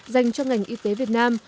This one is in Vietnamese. dành cho ngành y tế việt nam